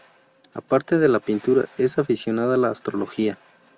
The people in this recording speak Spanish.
Aparte de a la pintura, es aficionada a la astrología.